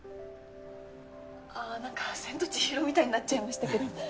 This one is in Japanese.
あ何か『千と千尋』みたいになっちゃいましたけど。